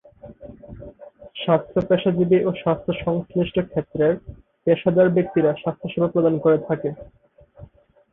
স্বাস্থ্য পেশাজীবী এবং স্বাস্থ্য-সংশ্লিষ্ট ক্ষেত্রের পেশাদার ব্যক্তিরা স্বাস্থ্যসেবা প্রদান করে থাকে।